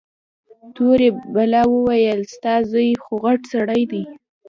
تورې بلا وويل ستا زوى خوغټ سړى دى.